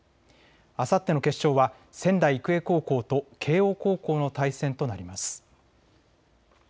あさっての決勝は仙台育英高校と慶応高校の対戦となります。